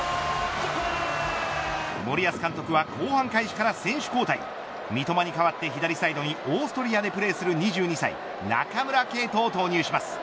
森保監督は後半開始から選手交代三笘に代わって左サイドにオーストリアでプレーする２２歳中村敬斗を投入します。